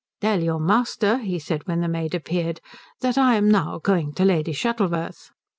"Tell your master," he said when the maid appeared, "that I am now going to Lady Shuttleworth."